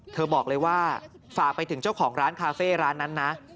บอกเลยว่าฝากไปถึงเจ้าของร้านคาเฟ่ร้านนั้นนะ